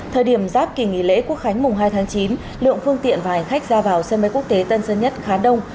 thời điểm giáp kỳ nghỉ lễ quốc khánh mùng hai tháng chín lượng phương tiện và hành khách ra vào sân bay quốc tế tân sơn nhất khá đông